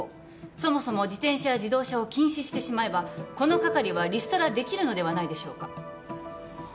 そもそも自転車や自動車を禁止してしまえばこの係はリストラできるのではないでしょうか